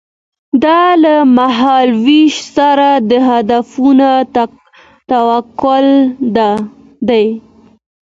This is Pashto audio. دا له مهال ویش سره د اهدافو ټاکل دي.